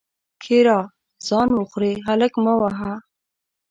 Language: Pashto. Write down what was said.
ښېرا: ځان وخورې؛ هلک مه وهه!